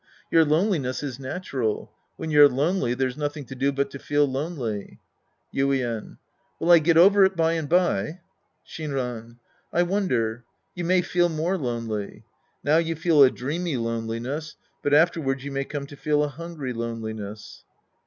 Your loneliness is natural. When you're lonely, there's nothing to do but to feel lonely. Yuien. Will I get over it by and by ? Shinran. I wonder. You may feel more lonely. Now you feel a dreamy loneliness, but afterwards you may come to feel a hungry loneliness.